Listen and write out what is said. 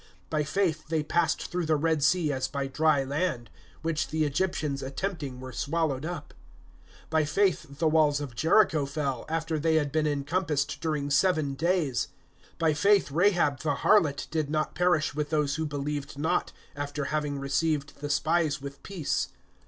(29)By faith they passed through the Red sea as by dry land; which the Egyptians attempting were swallowed up. (30)By faith the walls of Jericho fell, after they had been encompassed during seven days. (31)By faith Rahab the harlot did not perish with those who believed not[11:31], after having received the spies with peace.